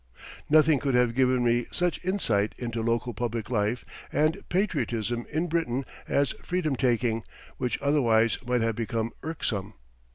Nothing could have given me such insight into local public life and patriotism in Britain as Freedom taking, which otherwise might have become irksome.